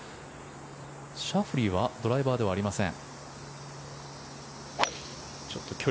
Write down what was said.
シャフリーはドライバーではありません。